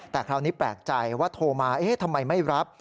แต่คราวนี้แปลกใจว่าโทรมาเอ๊ะทำไมไม่รับ